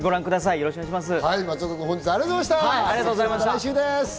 よろしくお願いします。